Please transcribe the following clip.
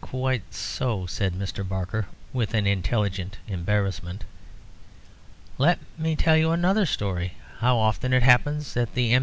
"Quite so," said Mr. Barker, with an intelligent embarrassment. "Let me tell you another story. How often it happens that the M.